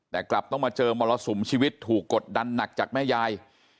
แต่กลับต้องมาเจอมรสุมชีวิตถูกกดดันหนักจากแม่ยาย